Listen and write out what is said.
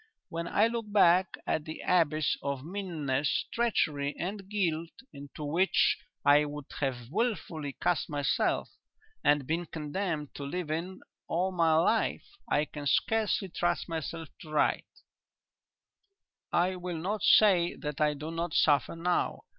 When I look back on the abyss of meanness, treachery and guilt into which I would have wilfully cast myself, and been condemned to live in all my life, I can scarcely trust myself to write. "I will not say that I do not suffer now.